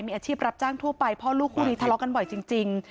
มีอาชีพรับจ้างทั่วไปพ่อลูกคู่นี้ทะเลาะกันบ่อยจริง